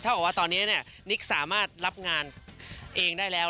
กับว่าตอนนี้นิกสามารถรับงานเองได้แล้ว